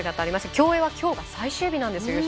競泳はきょうが最終日なんですよ。